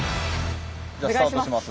じゃあスタートします。